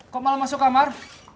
kok malah masuk kamar